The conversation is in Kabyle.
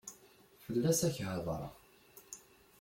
Fell-as ad ak-hedreɣ.